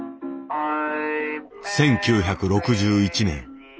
１９６１年。